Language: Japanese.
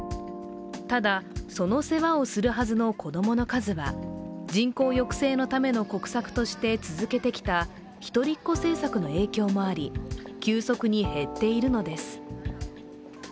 ただ、その世話をするはずの子供の数は人口抑制のための国策として続けてきた一人っ子政策の影響もあり急速に減っているのです。